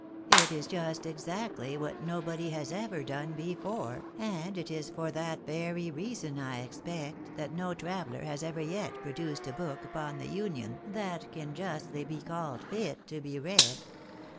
"It is just exactly what nobody has ever done before, and it is for that very reason, I expect, that no traveller has ever yet produced a book upon the Union that can justly be called fit to be read."